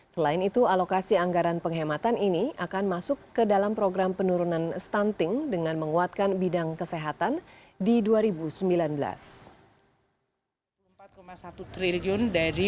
selain itu alokasi anggaran penghematan ini akan masuk ke dalam program penurunan stunting dengan menguatkan bidang kesehatan di dua ribu sembilan belas